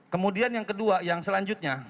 kemudian yang kedua yang selanjutnya